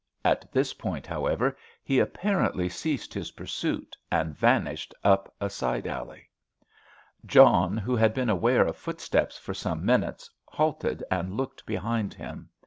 At this point, however, he apparently ceased his pursuit, and vanished up a side alley. John, who had been aware of footsteps for some minutes, halted and looked behind him.